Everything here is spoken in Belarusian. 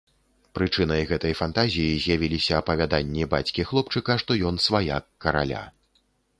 Прычынай гэтай фантазіі з'явіліся апавяданні бацькі хлопчыка, што ён сваяк караля.